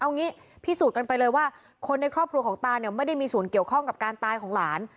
เอางี้พิสูจน์กันไปเลยว่าคนในครอบครัวของตาเนี่ยไม่ได้มีส่วนเกี่ยวข้องกับการตายของหลาน